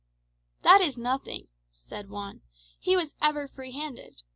"That is nothing," said Juan. "He was ever free handed.